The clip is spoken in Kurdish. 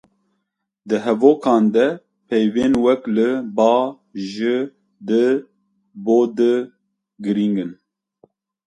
Di hevokan de peyvên wek li, ba, ji, di, bo di girîngin